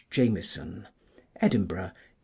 Jamieson (Edinburgh, 1874).